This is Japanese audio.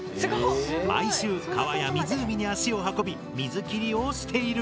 毎週川や湖に足を運び水切りをしている。